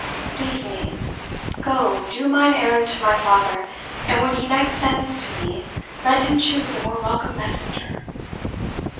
Leave me! Go, do mine errand to my father; and when he next sends to me, let him choose a more welcome messenger."